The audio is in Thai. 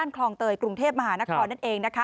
คลองเตยกรุงเทพมหานครนั่นเองนะคะ